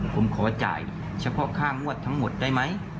ผมขอจ่ายเฉพาะค่างวดทั้งหมดได้ไหม